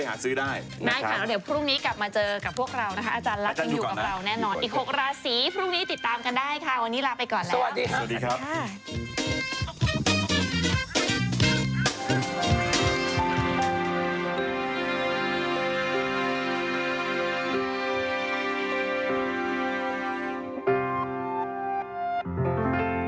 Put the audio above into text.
สวัสดีครับ